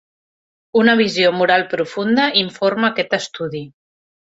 Una visió moral profunda informa aquest estudi.